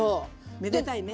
めでたいね。